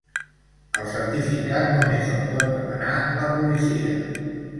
El certificat només el pot demanar la policia.